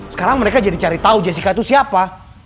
sekarang mereka jadi cari tahu jessica itu siapa